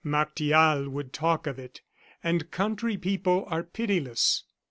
Martial would talk of it; and country people are pitiless.